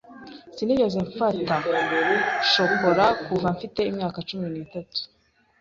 Sinigeze mfata shokora kuva mfite imyaka cumi n'itatu.